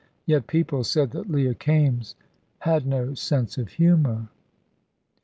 Yet people said that Leah Kaimes had no sense of humour.